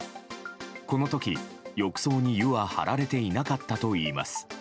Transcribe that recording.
この時、浴槽に湯は張られていなかったといいます。